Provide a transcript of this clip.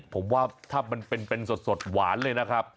ผมว่าถ้ามันเป็นสดหวานเลยนะครับ